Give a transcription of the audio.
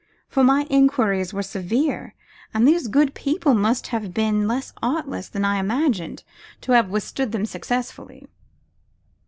For my enquiries were severe, and these good people must have been less artless than I imagined to have withstood them successfully.